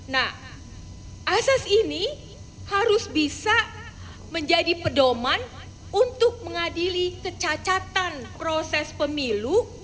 nah asas ini harus bisa menjadi pedoman untuk mengadili kecacatan proses pemilu